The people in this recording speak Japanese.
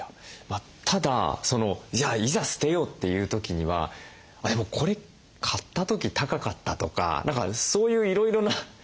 ただじゃあいざ捨てようっていう時には「でもこれ買った時高かった」とか何かそういういろいろな。